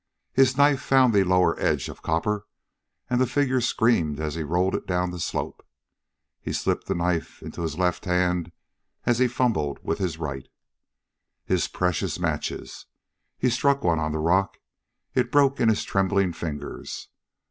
His knife found the lower edge of copper, and the figure screamed as he rolled it down the slope. He slipped the knife into his left hand as he fumbled with his right. His precious matches! He struck one on the rock; it broke in his trembling fingers.